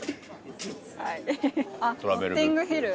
あっ『ノッティングヒル』？